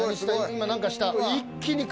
今何かした！